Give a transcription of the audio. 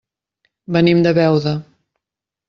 Venim de Beuda.